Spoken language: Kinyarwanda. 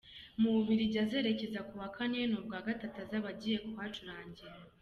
Mu Bubiligi azerekeza kuwa Kane, ni ubwa gatatu azaba agiye kuhacurangira.